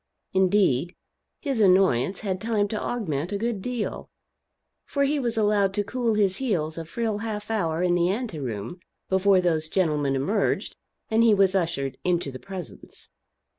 Indeed his annoyance had time to augment a good deal; for he was allowed to cool his heels a full half hour in the ante room before those gentlemen emerged and he was ushered into the presence.